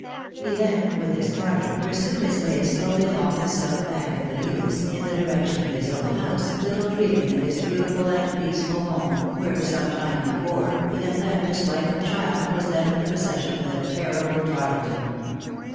He then, with his party, pursued his way slowly along the south bank of the Neuse, in the direction of his own house, little dreaming that his beautiful and peaceful home, where, some time before, he had left his wife and child, was then in the possession of the terrible Tarleton.